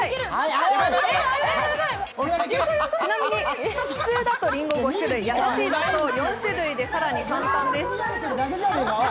ちなみに普通だと、りんご５種類、やさしいだと４種類で、更に簡単です。